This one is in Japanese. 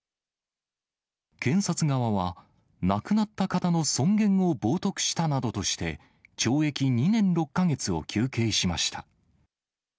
検察側は、亡くなった方の尊厳を冒とくしたなどとして、懲役２年６か月を求刑しました。